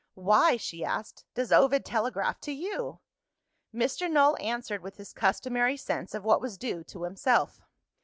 "Why," she asked, "does Ovid telegraph to You?" Mr. Null answered with his customary sense of what was due to himself.